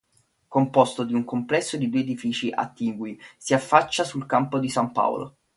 Composto di un complesso di due edifici attigui, si affaccia su Campo San Polo.